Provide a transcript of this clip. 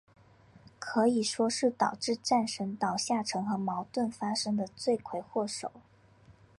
可以说是导致战神岛下沉和矛盾发生的罪魁祸首。